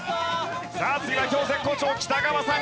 さあ次は今日絶好調北川さん。